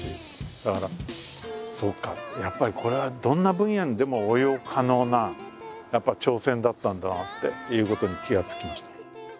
だからそうかやっぱりこれはどんな分野にでも応用可能なやっぱり挑戦だったんだなっていうことに気が付きました。